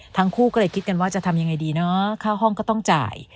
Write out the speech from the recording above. ทั้งคู่ก็เลยคิดกันว่าจะทำยังไงดีเนาะค่าห้องก็ต้องจ่าย